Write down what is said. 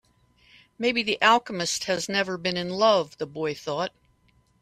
Maybe the alchemist has never been in love, the boy thought.